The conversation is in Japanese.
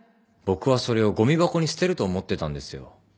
僕はそれをごみ箱に捨てると思ってたんですよ。